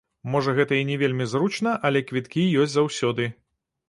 Можа, гэта і не вельмі зручна, але квіткі ёсць заўсёды.